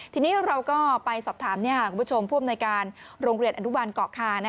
ทีนี้เราก็ไปสอบถามคุณผู้ชมผู้อำนวยการโรงเรียนอนุบันเกาะคา